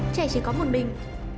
trẻ chỉ có một mình